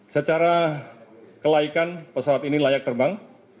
secara kelaikan pesawat ini layak terbang